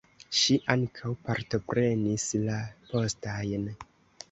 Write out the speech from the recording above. Ŝi ankaŭ partoprenis la postajn.